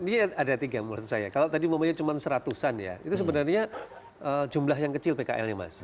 ini ada tiga menurut saya kalau tadi cuma seratus an ya itu sebenarnya jumlah yang kecil pkl ya mas